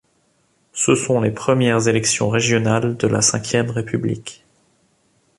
Ce sont les premières élections régionales de la Ve République.